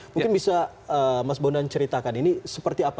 mungkin bisa mas bondan ceritakan ini seperti apa